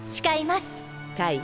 カイ